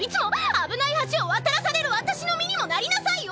危ない橋を渡らされる私の身にもなりなさいよ！